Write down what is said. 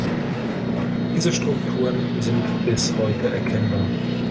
Diese Strukturen sind bis heute erkennbar.